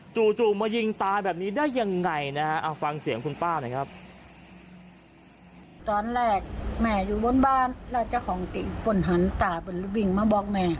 จู่มายิงตายแบบนี้ได้ยังไงนะฮะฟังเสียงคุณป้าหน่อยครับ